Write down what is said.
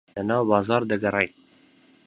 لەناو بازاڕ دەگەڕاین.